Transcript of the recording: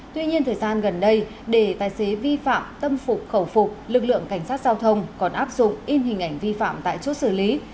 tuy nhiên thời gian gần đây để tài xế vi phạm tâm phục khẩu phục lực lượng cảnh sát giao thông còn áp dụng in hình ảnh vi phạm tại chốt xử lý